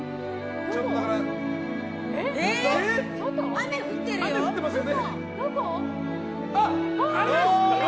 雨降ってるよ。